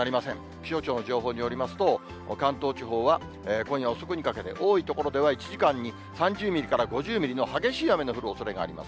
気象庁の情報によりますと、関東地方は今夜遅くにかけて、多い所では１時間に３０ミリから５０ミリの激しい雨の降るおそれがあります。